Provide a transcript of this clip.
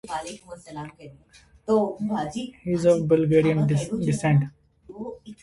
He is of Bulgarian descent.